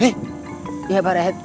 iya pak rt